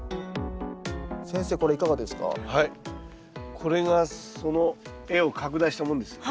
これがその画を拡大したものですね。